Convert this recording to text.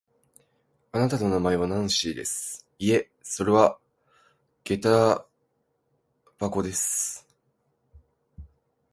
あなたの名前はナンシーです。いいえ、それはげた箱です。